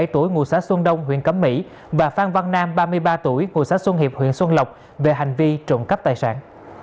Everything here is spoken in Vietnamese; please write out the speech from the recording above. ba mươi bảy tuổi ngôi xã xuân đông huyện cấm mỹ và phan văn nam ba mươi ba tuổi ngôi xã xuân hiệp huyện xuân lộc về hành vi trộn cắp tài sản